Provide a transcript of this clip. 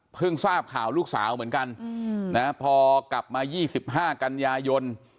เพิ่งทราบข่าวลูกสาวเหมือนกันอืมนะครับพอกลับมายี่สิบห้ากันยายน